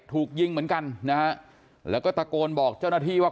ถูกยิงเหมือนกันนะฮะแล้วก็ตะโกนบอกเจ้าหน้าที่ว่า